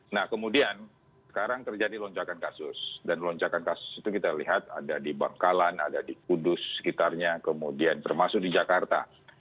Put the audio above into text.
nah kemudian sekarang terjadi lonjakan kasus dan lonjakan kasus itu kita lihat ada di bangkalan ada di kudus sekitarnya kemudian termasuk di jakarta